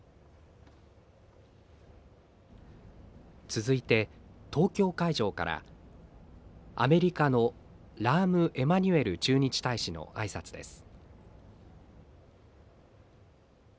続いて東京会場からアメリカのラーム・エマニュエル駐日大使の挨拶です。